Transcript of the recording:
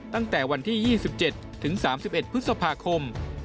ตั้งแต่วันที่๒๗ถึง๓๑พฤษภาคม